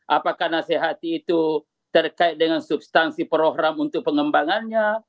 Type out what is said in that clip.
apakah nasehati itu terkait dengan substansi program untuk pengembangannya